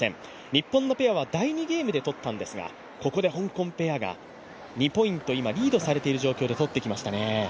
日本のペアは第２ゲームでとったんですが、ここで香港ペアが２ポイントリードされている展開でとってきましたね。